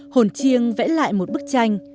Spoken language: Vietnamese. hồn chiêng vẽ lại một bức tranh